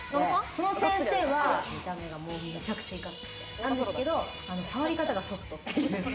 その先生は見た目はめちゃくちゃいかついんですけれども、さわり方がソフトという。